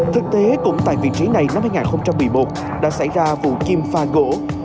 thực tế cũng tại vị trí này năm hai nghìn một mươi một đã xảy ra vụ chim pha gỗ